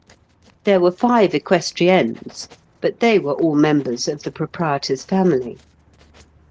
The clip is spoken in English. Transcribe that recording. There were five equestriennes, but they were all members of the proprietor's family.